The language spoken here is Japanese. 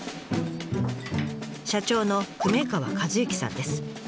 社長の久米川和行さんです。